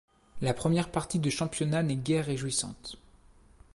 La première partie de championnat n'est guère réjouissante.